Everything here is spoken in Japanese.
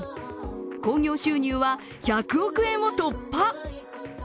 興行収入は１００億円を突破。